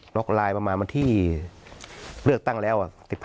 ล็อกไลน์ประมาณวันที่เลือกตั้งแล้ว